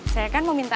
saya kan mau minta